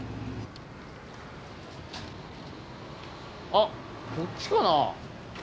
あこっちかな？